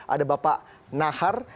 ada bapak nahar